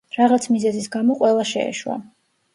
რაღაც მიზეზის გამო ყველა შეეშვა.